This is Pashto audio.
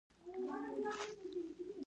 مړه ته د نیکو خلکو دعا رسېږي